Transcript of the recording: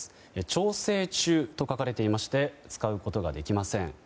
調整中と書かれていて使うことができません。